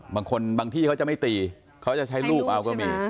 บางคนบางที่เขาจะไม่ตีเขาจะใช้รูปเอาก็มี